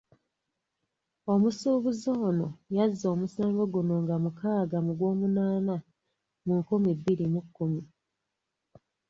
Omusuubuzi ono yazza omusango guno nga mukaaga mu Gwomunaana mu nkumi bbiri mu kkumi.